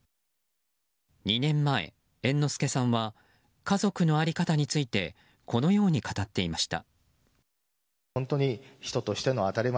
２年前、猿之助さんは家族の在り方についてこのように語っていました。